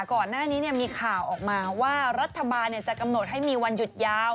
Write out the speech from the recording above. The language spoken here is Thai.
ก่อนหน้านี้มีข่าวออกมาว่ารัฐบาลจะกำหนดให้มีวันหยุดยาว